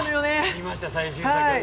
見ました、最新作。